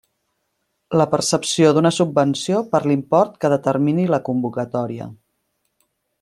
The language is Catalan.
La percepció d'una subvenció per l'import que determini la convocatòria.